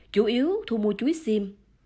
chủ yếu thu mua chuối xiêm